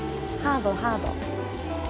ハードハード。